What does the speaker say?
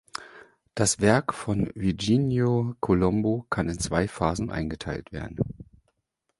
Das Werk von Virginio Colombo kann in zwei Phasen eingeteilt werden.